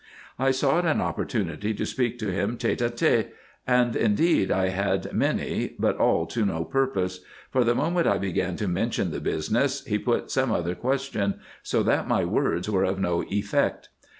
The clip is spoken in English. I sought an opportunity to speak to him tete a tete, and indeed I had many, but all to no purpose ; for the moment I began to mention the business he put some other question, so that my words were of no effect.